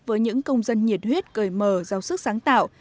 với những công dân nhiệt huyết cười mờ